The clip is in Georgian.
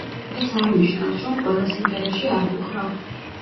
ეს არ ნიშნავს, რომ ყველა სიმღერაში არ ვუკრავ.